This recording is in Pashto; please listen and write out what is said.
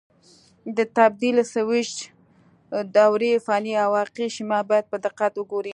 د تبدیل سویچ دورې فني او حقیقي شیما باید په دقت وګورئ.